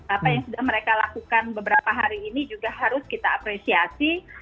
apa yang sudah mereka lakukan beberapa hari ini juga harus kita apresiasi